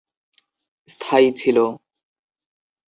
স্থায়ী ছিল।